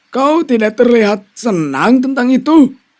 kau tidak terlihat senang tentang itu